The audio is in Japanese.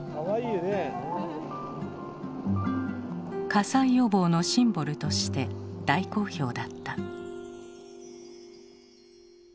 火災予防のシンボルとして大好評だった。